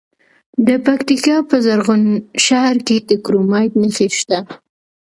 د پکتیکا په زرغون شهر کې د کرومایټ نښې شته.